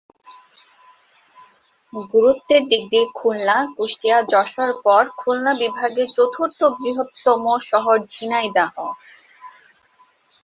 গুরুত্বের দিক দিয়ে খুলনা, কুষ্টিয়া, যশোরের পর খুলনা বিভাগের চতুর্থ বৃহত্তম শহর ঝিনাইদহ।